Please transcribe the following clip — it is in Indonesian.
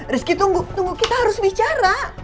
rizky tunggu kita harus bicara